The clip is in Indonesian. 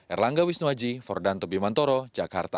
erlangga wisnuaji fordanto bimantoro jakarta